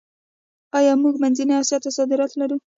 آیا موږ منځنۍ اسیا ته صادرات لرو؟